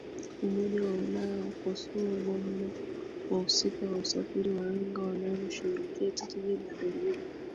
umoja wa ulaya wakosoa namna wahusika wa usafiri wa anga wanavyoshughulikia tatizo la theluji